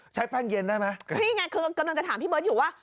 แป้งเย็นได้ไหมนี่ไงคือกำลังจะถามพี่เบิร์ตอยู่ว่า